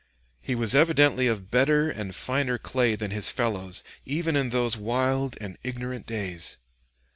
He was evidently of better and finer clay than his fellows, even in those wild and ignorant days.